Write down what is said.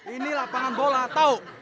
ini lapangan bola tau